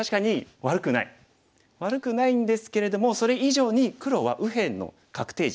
悪くないんですけれどもそれ以上に黒は右辺の確定地